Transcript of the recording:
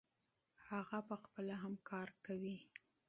هغه پخپله هم کار کوي.